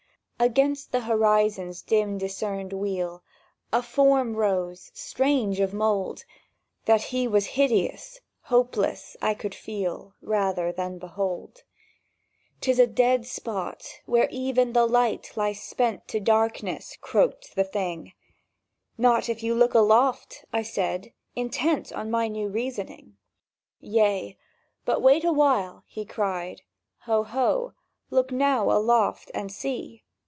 Against the horizon's dim discernèd wheel A form rose, strange of mould: That he was hideous, hopeless, I could feel Rather than could behold. "'Tis a dead spot, where even the light lies spent To darkness!" croaked the Thing. "Not if you look aloft!" said I, intent On my new reasoning. "Yea—but await awhile!" he cried. "Ho ho!— Look now aloft and see!"